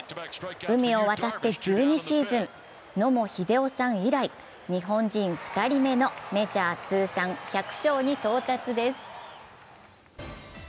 海を渡って１２シーズン、野茂英雄さん以来日本人２人目のメジャー通算１００勝に到達です。